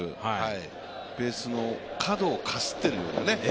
ベースの角をかすっているようなね。